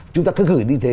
chúng ta cứ gửi đi thế